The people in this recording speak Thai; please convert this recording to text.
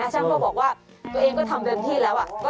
ช่างก็บอกว่าตัวเองทำกันดีที่แล้ว